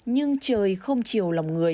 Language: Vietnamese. nhưng trời không chiều lòng người